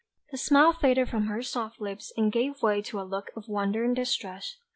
The smile faded from her soft lips and gave way to a look of wonder and distress.